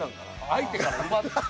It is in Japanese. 相手から奪って。